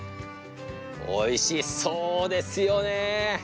おいしそうですよね。